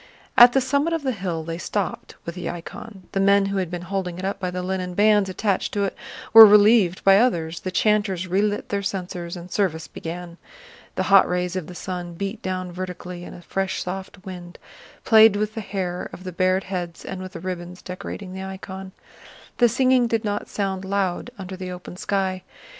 At the summit of the hill they stopped with the icon; the men who had been holding it up by the linen bands attached to it were relieved by others, the chanters relit their censers, and service began. The hot rays of the sun beat down vertically and a fresh soft wind played with the hair of the bared heads and with the ribbons decorating the icon. The singing did not sound loud under the open sky.